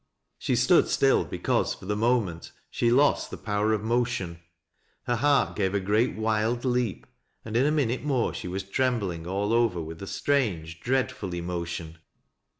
She stood still, because, for the moment, she lost the power of motion. Her heart gave a great wild leap, and, in a minute more, she was trembling all over with a strange, dreadful emotion.